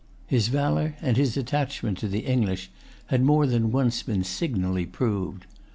His valor and his attachment to the English had more than once been signally proved.